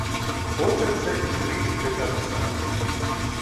Хочацца інтрыгі да канца.